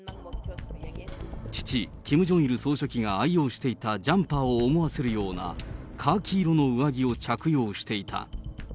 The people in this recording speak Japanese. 父、キム・ジョンイル総書記が愛用していたジャンパーを思わせるような、カーキ色の上着を着用していた。